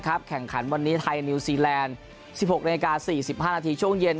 แข่งขันวันนี้ไทยนิวซีแลนด์๑๖นาฬิกา๔๕นาทีช่วงเย็น